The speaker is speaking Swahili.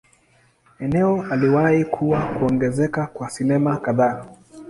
Eneo aliwahi kuwa kuongezeka kwa sinema kadhaa.